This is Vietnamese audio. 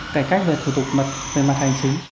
cách về thủ tục về mặt hành chính